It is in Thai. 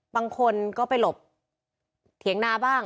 บางคนก็ไปหลบเถียงนาบ้าง